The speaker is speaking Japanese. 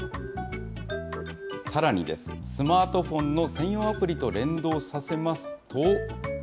さらにです、スマートフォンの専用アプリと連動させますと。